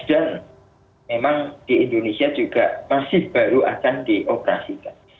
dan memang di indonesia juga masih baru akan dioperasikan